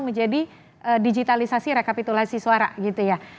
menjadi digitalisasi rekapitulasi suara gitu ya